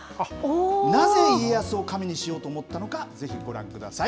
なぜ家康を神にしようと思ったのか、ぜひご覧ください。